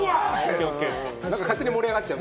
勝手に盛り上がっちゃう。